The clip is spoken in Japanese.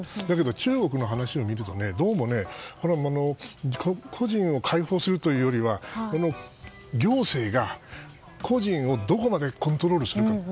だけど中国の話を見ると、どうも個人を解放するというよりは行政が個人をどこまでコントロールするか。